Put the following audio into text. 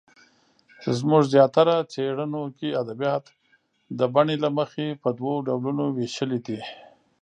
زموږ زیاتره څېړنو کې ادبیات د بڼې له مخې په دوو ډولونو وېشلې دي.